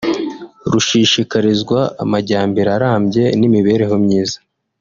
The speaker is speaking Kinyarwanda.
rushishikarizwa amajyambere arambye n’imibereho myiza